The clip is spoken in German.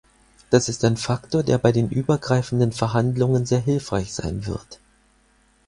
Das ist ein Faktor, der bei den übergreifenden Verhandlungen sehr hilfreich sein wird.